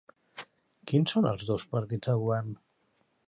Quins són els dos partits de govern?